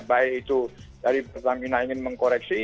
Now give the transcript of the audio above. baik itu dari pertamina ingin mengkoreksi